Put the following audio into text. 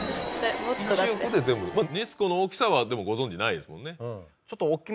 ネス湖の大きさはでもご存じないですもんね。